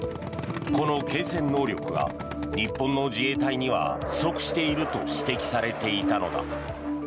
この継戦能力が日本の自衛隊には不足していると指摘されていたのだ。